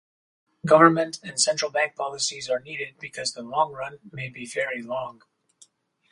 Government and central-bank policies are needed because the "long run" may be very long.